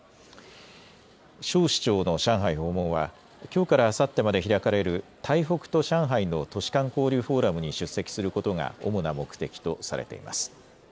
蒋市長の上海訪問はきょうからあさってまで開かれる台北と上海の都市間交流フォーラムに出席することが主な目的とされています。